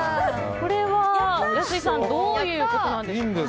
これは、安井さんどういうことですか。